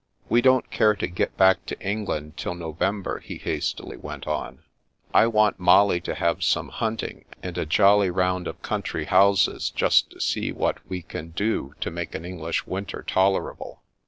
" We don't care to get back to England till November," he hastily went on. " I want Molly to have some hunting and a jolly round of country houses just to see what we can do to make an English winter tolerable.